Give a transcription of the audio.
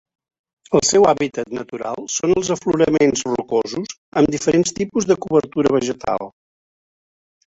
El seu hàbitat natural són els afloraments rocosos amb diferents tipus de cobertura vegetal.